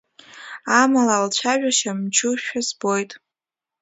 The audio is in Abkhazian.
Амала лцәажәашьа мчушәа збоит.